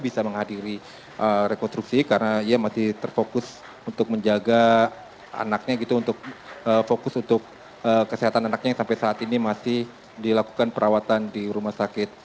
bisa menghadiri rekonstruksi karena ia masih terfokus untuk menjaga anaknya gitu untuk fokus untuk kesehatan anaknya yang sampai saat ini masih dilakukan perawatan di rumah sakit